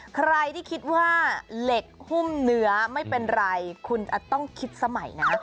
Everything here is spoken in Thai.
ใครที่คิดว่าเหล็กหุ้มเนื้อไม่เป็นไรคุณต้องคิดสมัยนะ